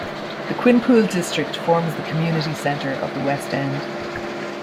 The Quinpool District forms the community centre of the West End.